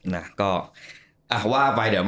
น่ะก็อะว่าไป